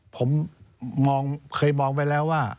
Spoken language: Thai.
ผมเคยมองไปแล้วว่า